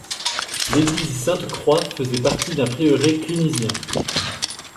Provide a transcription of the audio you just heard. L'église Sainte-Croix faisait partie d'un prieuré clunisien.